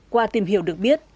qua tìm hiểu được biết